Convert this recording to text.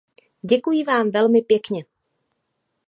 Děkuji vám velmi pěkně.